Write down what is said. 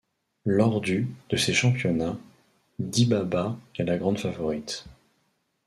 Lors du de ces championnats, Dibaba est la grande favorite.